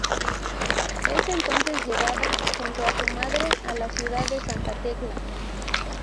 Es entonces llevada, junto a su madre, a la ciudad de Santa Tecla.